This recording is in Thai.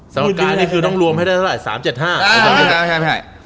สมการที่คือต้องรวมให้ได้เท่าไหร่๓๗๕